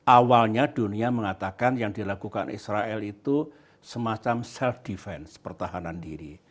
awalnya dunia mengatakan yang dilakukan israel itu semacam self defense pertahanan diri